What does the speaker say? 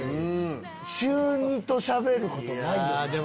中２としゃべることないよね。